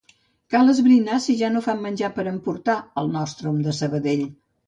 Cal esbrinar si ja no fan menjar per emportar al Nostrum de Sabadell.